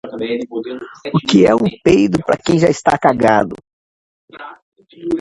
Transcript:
O que é um peido pra quem já está cagado?